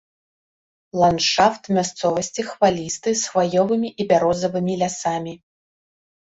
Ландшафт мясцовасці хвалісты з хваёвымі і бярозавымі лясамі.